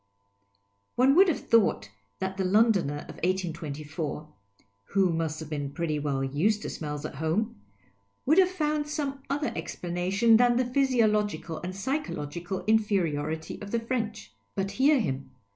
One would have thought that the Londoner of 1824. (who must have been pretty well \ised to smells at home) would have fomid some other explanation than the physiological and psychological inferiority of the French. But hear him.